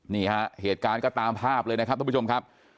นี่ฮะเหตุการณ์ก็ตามภาพเลยนะครับทุกผู้ชมครับ